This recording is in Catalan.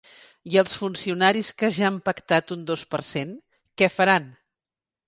I els funcionaris que ja han pactat un dos per cent, què faran?